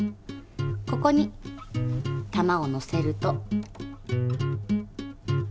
ここに玉をのせると。